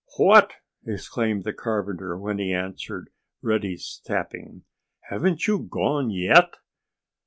"What!" exclaimed the carpenter when he answered Reddy's tapping. "Haven't you gone yet?"